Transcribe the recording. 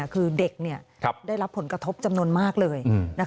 คือเด็กได้รับผลกระทบจำนวนมากเลย